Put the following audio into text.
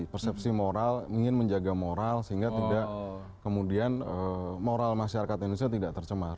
persepsi moral ingin menjaga moral sehingga tidak kemudian moral masyarakat indonesia tidak tercemar